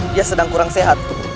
dia sedang kurang sehat